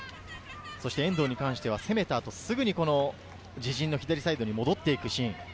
遠藤に関しては攻めた後、すぐに自陣の左サイドに戻っていくシーン。